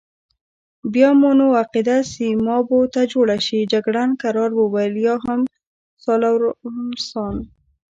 بیا مو نو عقیده سیمابو ته جوړه شي، جګړن کرار وویل: یا هم سالوارسان.